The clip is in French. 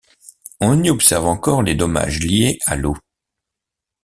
On y observe encore les dommages liés à l’eau.